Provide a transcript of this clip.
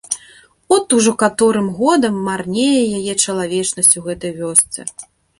От ужо каторым годам марнее яе чалавечнасць у гэтай вёсцы.